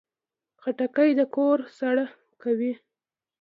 خټکی د کور سړه کوي.